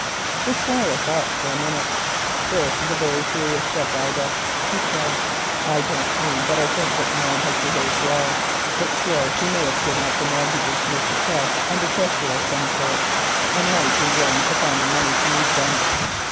The Squire thought for a minute. "This is a very serious step, Ida," he said. "I don't mean that I think that the man has behaved well—but still he may have given up the mortgages to Quest under pressure of some sort and might be willing to find the money to meet them."